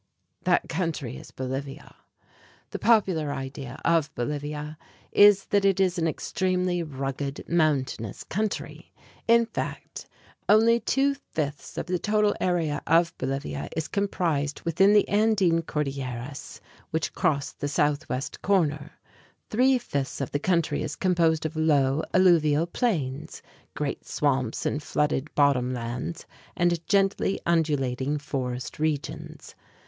That country is Bolivia. The popular idea of Bolivia is that it is an extremely rugged, mountainous country. In fact, only two fifths of the total area of Bolivia is comprised within the Andine Cordilleras, which cross its southwest corner. Three fifths of the country is composed of low, alluvial plains, great swamps and flooded bottom lands, and gently undulating forest regions.